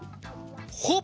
ほっ！